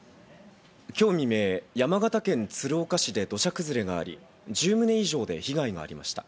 今日未明、山形県鶴岡市で土砂崩れがあり、１０棟以上で被害がありました。